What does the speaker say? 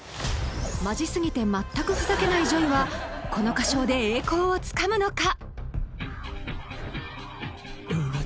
マジすぎて全くふざけないＪＯＹはこの歌唱で栄光を掴むのか？